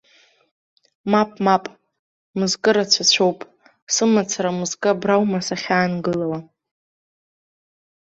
Мап, мап, мызкы рацәацәоуп, сымацара мызкы абра аума сахьаагылауа.